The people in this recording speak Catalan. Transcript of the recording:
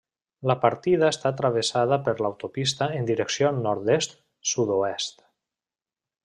La partida està travessada per l'autopista en direcció nord-est sud-oest.